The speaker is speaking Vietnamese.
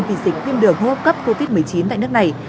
vì dịch viêm đường hô hấp cấp covid một mươi chín tại nước này